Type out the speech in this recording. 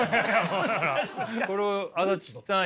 これ足立さん